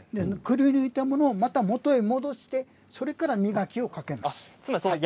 くりぬいたものを、また元へ戻して、それから磨きをかけます。